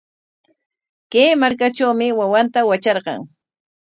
Kay markatrawmi wawanta watrarqan.